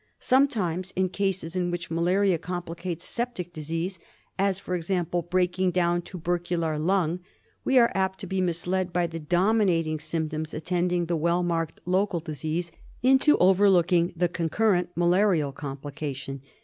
Sometimes in cases in which malaria complicates septic disease, as for example breaking down tubercular lung, we are apt to be misled by the dominating symptoms attending the well marked local disease into overlooking the concurrent malarial complication.